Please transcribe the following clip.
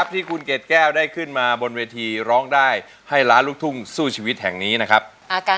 ไปไหนวิญญาณสิ่งลี้รับอะค่ะ